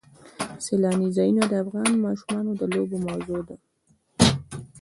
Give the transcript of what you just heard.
سیلانی ځایونه د افغان ماشومانو د لوبو موضوع ده.